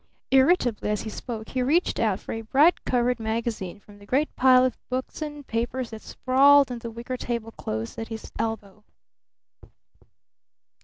Irritably, as he spoke, he reached out for a bright covered magazine from the great pile of books and papers that sprawled on the wicker table close at his elbow.